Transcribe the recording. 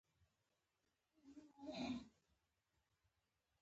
ژورې سرچینې د افغانانو د فرهنګي پیژندنې یوه ډېره مهمه برخه ده.